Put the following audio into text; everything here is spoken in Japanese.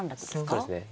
そうですね。